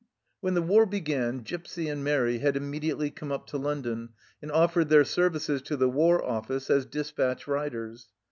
When the war began Gipsy and Mairi had immediately come up to London and offered their services to the War Office as despatch riders.